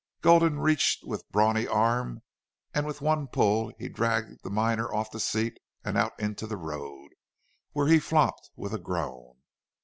Gulden reached with brawny arm and with one pull he dragged the miner off the seat and out into the road, where he flopped with a groan.